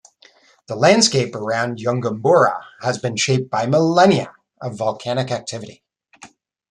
The landscape around Yungaburra has been shaped by millennia of volcanic activity.